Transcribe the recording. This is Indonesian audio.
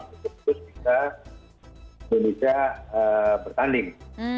untuk terus bisa indonesia bertanding